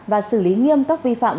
và xử lý nghiêm tốc vi phạm